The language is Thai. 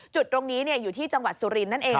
จุดตรงนี้อยู่ที่จังหวัดสุรินทร์นั่นเอง